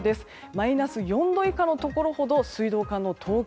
マイナス４度以下のところほど水道管の凍結